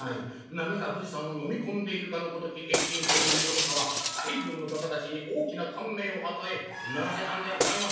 なみが富士山をのみこんでいるかのごとき遠近ほうのみごとさは西洋の画家たちに大きなかんめいを与えうならせたんでございます！」。